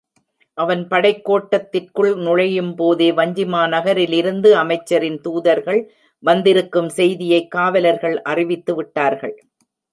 அவன் படைக் கோட்டத்திற்குள் நுழையும் போதே வஞ்சிமா நகரிலிருந்து அமைச்சரின் தூதர்கள் வந்திருக்கும் செய்தியைக் காவலர்கள் அறிவித்து விட்டார்கள்.